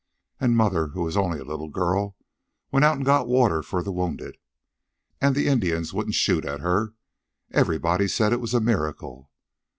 "And mother, who was only a little girl, went out and got water for the wounded. And the Indians wouldn't shoot at her. Everybody said it was a miracle."